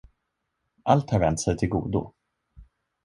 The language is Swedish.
Allt har vänt sig till godo.